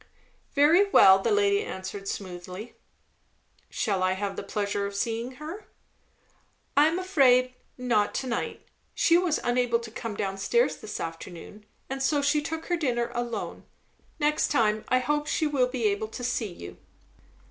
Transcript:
"Very well!" the lady answered smoothly. "Shall I have the pleasure of seeing her?" "I am afraid, not to night. She was unable to come down stairs this afternoon, and so took her dinner alone. Next time, I hope, she will be able to see you."